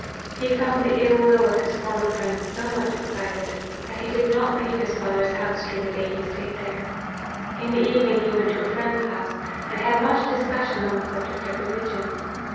He found the ill will of his former friends so much excited, that he did not leave his 220 APPENDIX. father's house, during the day he staid there. In the evening he went to a friend's house, and had much discussion on the subject of religion.